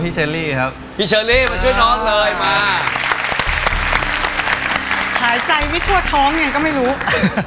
ผมดูมีค่าดูดน้องขับนะครับครับ